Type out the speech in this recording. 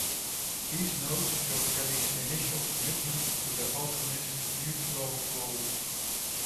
These notes show Kelley's initial commitment to the alchemists' mutual goal.